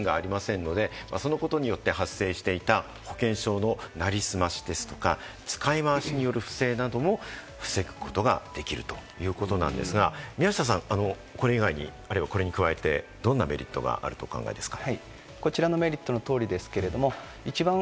それから健康保険証には顔写真がありませんので、そのことによって発生していた保険証のなりすましですとか、使い回しによる不正なども防ぐことができるということなんですが、宮下さん、これ以外に、あるいはこれに加えてどんなメリットがあるとお考えですか？